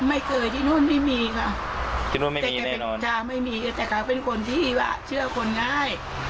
ไม่เคยที่นู่นไม่มีค่ะที่นู่นไม่มีแน่นอนไม่มีแต่แค่เป็นคนที่ว่าเชื่อคนง่าย